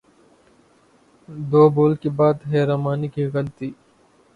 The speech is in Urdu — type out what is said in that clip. دو بول کے بعد حرا مانی کی غلطی